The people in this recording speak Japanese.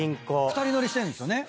２人乗りしてんですよね。